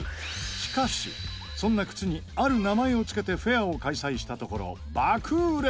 しかしそんな靴にある名前を付けてフェアを開催したところ爆売れ！